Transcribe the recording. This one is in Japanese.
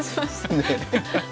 ねえ。